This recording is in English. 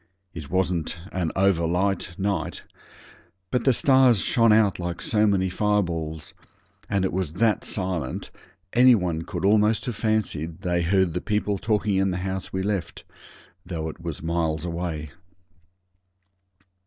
It wasn't an over light night, but the stars shone out like so many fireballs, and it was that silent any one could almost have fancied they heard the people talking in the house we left, though it was miles away.